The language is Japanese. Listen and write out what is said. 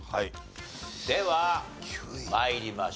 では参りましょう。